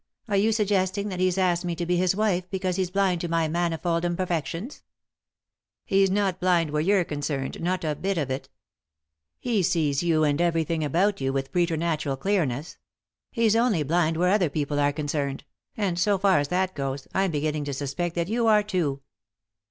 Are you suggesting that he's asked me to be his wife because he's blind to my manifold imperfections ?" "He's not blind where you're concerned, not a bit of it He sees you, and everything about you, with preternatural clearness. He's only blind where other people are concerned ; and, so far as that goes, I'm beginning to suspect that you are too."